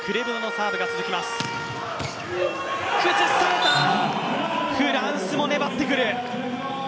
崩された、フランスも粘ってくる。